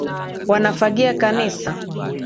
Wanafagia kanisa.